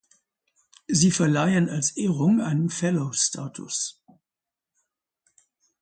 Sie verleihen als Ehrung einen Fellow-Status.